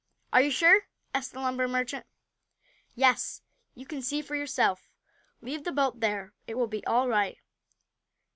"Are you sure?" asked the lumber merchant. "Yes. You can see for yourself. Leave the boat there. It will be all right."